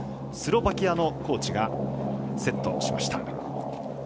スロバキアのコーチがセットしました。